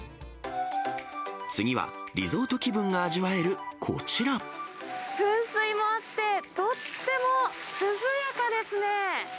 次はリゾート気分が味わえるこち噴水もあって、とっても涼やかですね。